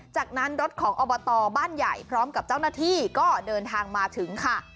จากนั้นรถของอบตบ้านใหญ่พร้อมกับเจ้าหน้าที่ก็เดินทางมาถึงค่ะ